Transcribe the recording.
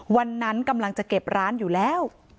วันนั้นกำลังจะเก็บร้านอยู่แล้ว